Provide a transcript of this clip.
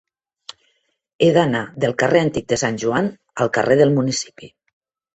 He d'anar del carrer Antic de Sant Joan al carrer del Municipi.